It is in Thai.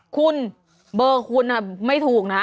คุณเบอร์คุณไม่ถูกนะ